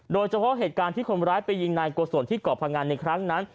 โดยเฉพาะเหตุการณ์ที่คนร้ายไปยิงนายโกศลที่เกาะพังอันในครั้งนั้น